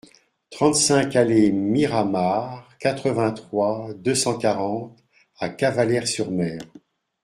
trente-cinq allée Miramar, quatre-vingt-trois, deux cent quarante à Cavalaire-sur-Mer